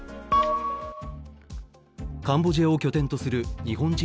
カンボジアを拠点とする日本人